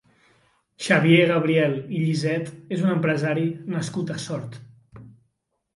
Xavier Gabriel i Lliset és un empresari nascut a Sort.